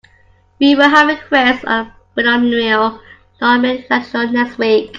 We will have a quiz on binomial nomenclature next week.